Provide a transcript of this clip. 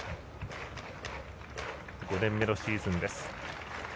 ５年目のシーズンです。